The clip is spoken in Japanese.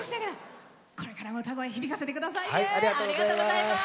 これからも歌声、響かせてくださいね。